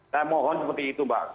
saya mohon seperti itu mbak